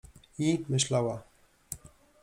I myślała.